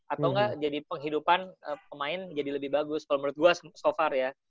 atau enggak jadi penghidupan pemain jadi lebih bagus kalau menurut gue so far ya